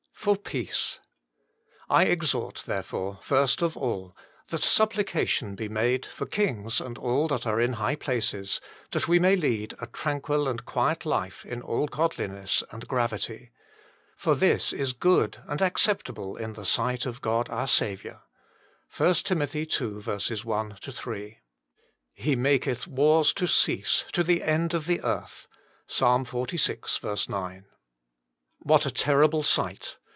fat ^Jl ITCC "I exhort therefore, first of all, that supplication be made for kings and all that are in high places ; that we may lead a tranquil and quiet life in all godliness and gravity. For this is good and acceptable in the sight of God our Saviour." 1 TIM. ii. 1 3. " He maketh wars to cease to the end of the earth." Ps. xlvi. 9. What a terrible sight